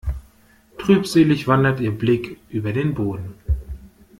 Trübselig wandert ihr Blick über den Boden.